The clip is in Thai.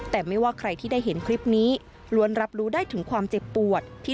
แต่ไม่ว่าใครที่ได้เห็นคลิปนี้รวนรับรู้ได้ถึงความเจ็บปวดที่เด็กในวัยนี้ไม่ควรจะได้รับ